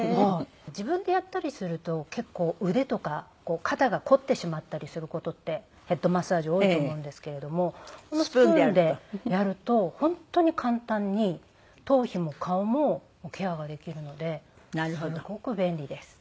自分でやったりすると結構腕とか肩が凝ってしまったりする事ってヘッドマッサージ多いと思うんですけれどもこのスプーンでやると本当に簡単に頭皮も顔もケアができるのですごく便利です。